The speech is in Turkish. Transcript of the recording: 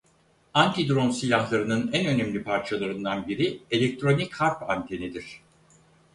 Anti-Drone silahlarının en önemli parçalarından biri elektronik harp antenidir.